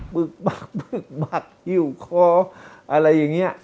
ึกบักบึกบักหิ้วคออะไรอย่างนี้